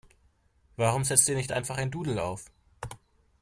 Warum setzt ihr nicht einfach ein Doodle auf?